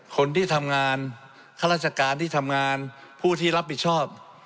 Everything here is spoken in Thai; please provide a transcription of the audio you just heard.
คนที่ทำงานข้าราชการที่ทำงานผู้ที่รับผิดชอบ